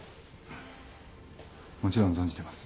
もちろん存じてます。